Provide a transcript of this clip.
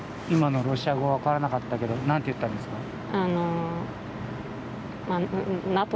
今のロシア語分からなかったけど何と言ったんですか？